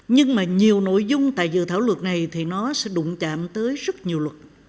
nhưng mà nhiều nội dung tại dự thảo luật này thì nó sẽ đụng chạm tới rất nhiều luật